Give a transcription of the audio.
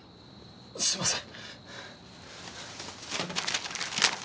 すみません。